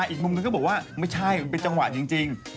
อีกมุมนึงก็บอกว่าไม่ใช่มันเป็นจังหวะจริง